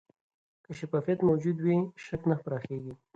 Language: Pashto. که شفافیت موجود وي، شک نه پراخېږي.